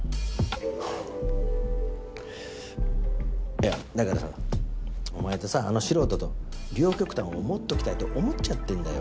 いやだからさお前とさあの素人と両極端を持っときたいと思っちゃってるんだよ